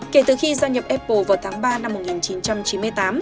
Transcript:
kể từ khi gia nhập apple vào tháng ba năm hai nghìn một mươi bốn